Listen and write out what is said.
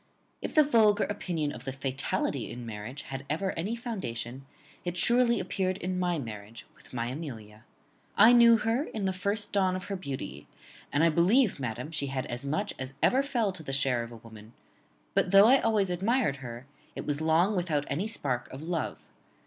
"If the vulgar opinion of the fatality in marriage had ever any foundation, it surely appeared in my marriage with my Amelia. I knew her in the first dawn of her beauty; and, I believe, madam, she had as much as ever fell to the share of a woman; but, though I always admired her, it was long without any spark of love.